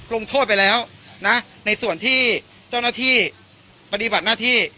ลงโทษไปแล้วนะในส่วนที่เจ้าหน้าที่ปฏิบัติหน้าที่